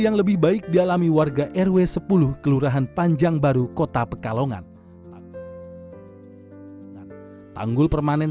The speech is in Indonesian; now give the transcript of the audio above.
yang lebih baik dialami warga rw sepuluh kelurahan panjang baru kota pekalongan tanggul permanen